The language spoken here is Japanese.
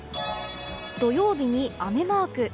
土曜日に雨マーク。